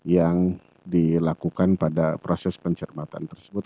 yang dilakukan pada proses pencermatan tersebut